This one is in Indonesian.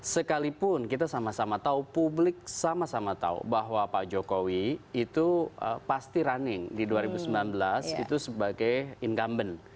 sekalipun kita sama sama tahu publik sama sama tahu bahwa pak jokowi itu pasti running di dua ribu sembilan belas itu sebagai incumbent